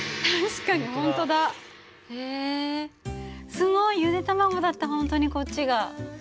すごい！ゆで卵だった本当にこっちが。